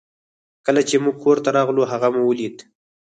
کله چې موږ کور ته راغلو هغه مو ولید